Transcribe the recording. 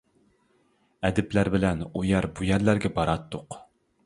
ئەدىبلەر بىلەن ئۇ يەر بۇ يەرلەرگە باراتتۇق.